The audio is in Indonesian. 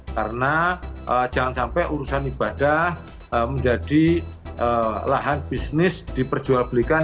karena jangan sampai urusan ibadah menjadi lahan bisnis diperjual belikan